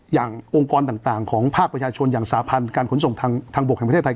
องค์กรต่างของภาคประชาชนอย่างสาพันธ์การขนส่งทางบกแห่งประเทศไทย